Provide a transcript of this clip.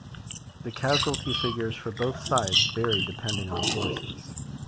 The casualty figures for both sides vary depending on sources.